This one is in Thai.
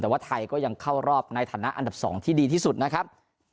แต่ว่าไทยก็ยังเข้ารอบในฐานะอันดับ๒ที่ดีที่สุดนะครับ